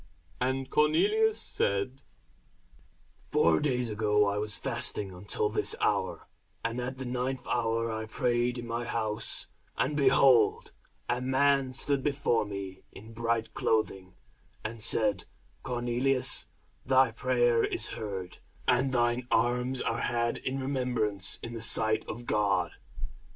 And Cornelius said, Four days ago I was fasting until this hour; and at the ninth hour I prayed in my house, and, behold, a man stood before me in bright clothing, and said, Cornelius, thy prayer is heard, and thine alms are had in remembrance in the sight of God.